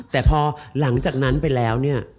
แต่พอหลังจากนั้นไปแล้วเนี่ย